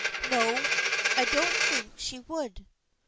" No, I don't think she would."